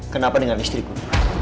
kenapa dengan istriku